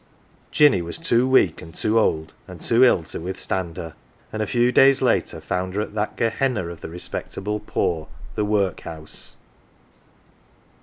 Jinny was too weak and too old and too ill to withstand her, and a few days later found her at that Gehenna of the respectable poor, the workhouse.